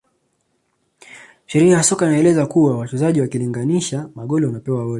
sheria ya soka inaeleza kuwa wachezaji wakilinganisha magoli wanapewa wote